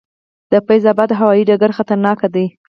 د فیض اباد هوايي ډګر خطرناک دی؟